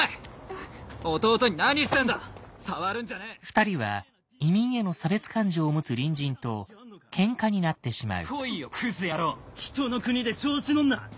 ２人は移民への差別感情を持つ隣人とケンカになってしまう。